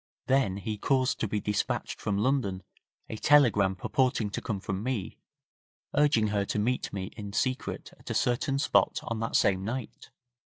Then he caused to be dispatched from London a telegram purporting to come from me, urging her to meet me in secret at a certain spot on that same night.